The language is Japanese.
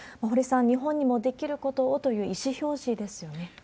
堀さん、日本にもできることをという意思表示ですよね。